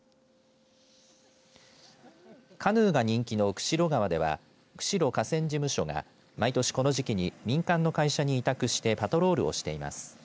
釧路川では釧路河川事務所が毎年この時期に民間の会社に委託してパトロールをしています。